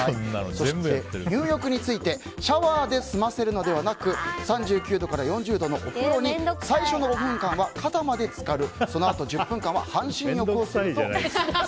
そして入浴についてシャワーで済ませるのではなく３９度から４０度のお風呂に最初の５分間は肩まで浸かるそのあと１０分間は半身浴をするといいです。